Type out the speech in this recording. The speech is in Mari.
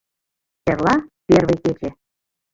Эрла — первый кече.